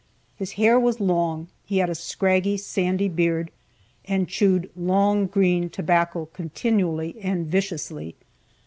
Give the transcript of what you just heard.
His hair was long, he had a scraggy, sandy beard, and chewed "long green" tobacco continually and viciously.